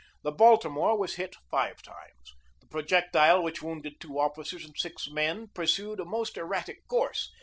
The Baltimore was hit five times. The projectile which wounded two officers and six men pursued a most erratic course.